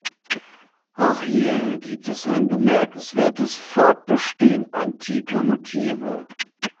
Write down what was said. Auch hier gibt es ein bemerkenswertes Fortbestehen antiker Motive.